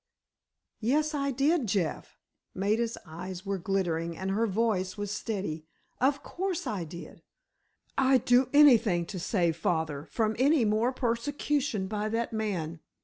"Yes, I did, Jeff." Maida's eyes were glittering, and her voice was steady. "Of course I did. I'd do anything to save father from any more persecution by that man!